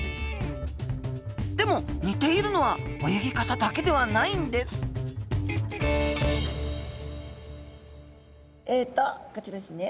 でも似ているのは泳ぎ方だけではないんですえとこちらですね。